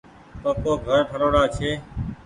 پڪو گھر ٺروڙآ ڇي۔